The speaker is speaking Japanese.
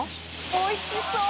おいしそう！